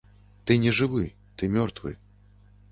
Ты не жывы, ты мёртвы.